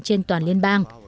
trên toàn liên bang